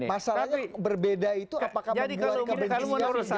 masalahnya berbeda itu apakah membuat kebencian